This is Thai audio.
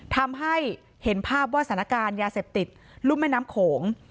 ทำให้เห็นภาพว่าสถานการณ์ยาเสพติดรุ่มแม่น้ำโขง